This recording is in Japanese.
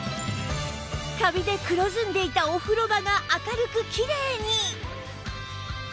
カビで黒ずんでいたお風呂場が明るくキレイに！